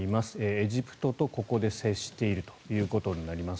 エジプトとここで接しているということになります。